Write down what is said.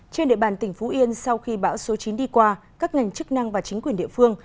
trên địa bàn tỉnh phú yên sau khi bão số chín đi qua các ngành chức năng và chính quyền địa phương